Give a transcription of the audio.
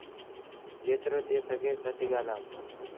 جيترو ٿئي سگھي سچ ڳآلآئو